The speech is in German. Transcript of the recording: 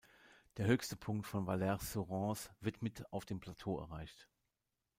Der höchste Punkt von Valeyres-sous-Rances wird mit auf dem Plateau erreicht.